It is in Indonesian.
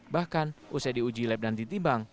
bahkan usai diuji lab dan ditimbang